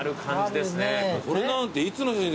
これなんていつの写真？